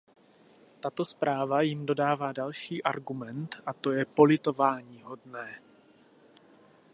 Tato zpráva jim dodává další argument a to je politováníhodné.